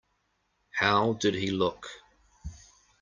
How did he look?